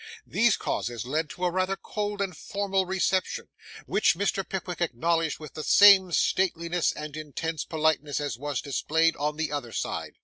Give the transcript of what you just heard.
These causes led to a rather cold and formal reception; which Mr. Pickwick acknowledged with the same stateliness and intense politeness as was displayed on the other side.